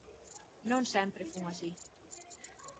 Non sempre fun así.